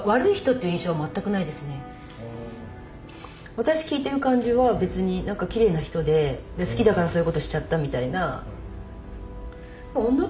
私聞いてる感じは別になんかきれいな人で好きだからそういうことしちゃったみたいな。